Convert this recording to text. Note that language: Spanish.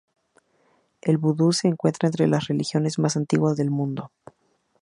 El vudú se encuentra entre las religiones más antiguas del mundo.